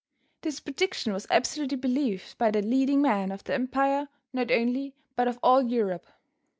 This prediction was absolutely believed by the leading men of the empire not only, but of all Europe.